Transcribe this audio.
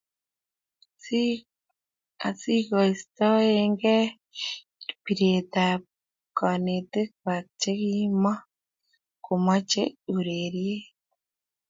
Asikoistoekei biretap konetikwai chekimakomochei urereyet